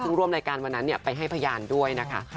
ซึ่งร่วมรายการวันนั้นไปให้พยานด้วยนะคะ